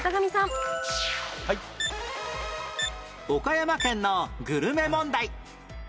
岡山県のグルメ問題